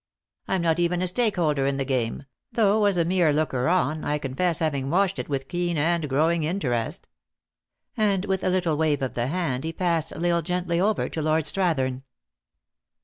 " I am not even a stake holder in the game ; though, as a mere looker on, I confess having watched it with keen and arid growing interest." And with a little wave of the hand he passed L Isle gently over to Lord Strath ern.